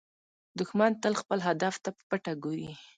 دښمن تل خپل هدف ته په پټه ګوري